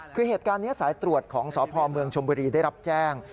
คือเหตุการณ์นี้สายตรวจของสภมชมได้รับแจ้ง